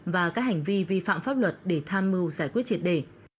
và các hành vi vi phạm pháp luật để tham mưu giải quyết triệt đề